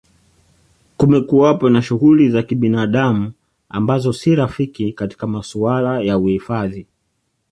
Kumekuwapo na shughuli za kinabadamu ambazo si rafiki katika masuala ya uhifadhi